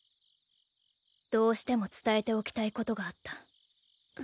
どうしても伝えておきたい事があった。